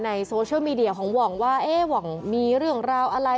โซเชียลมีเดียของหว่องว่าเอ๊ะหว่องมีเรื่องราวอะไร